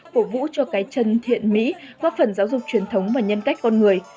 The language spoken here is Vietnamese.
cổ vũ cho cái chân thiện mỹ góp phần giáo dục truyền thống và nhân cách con người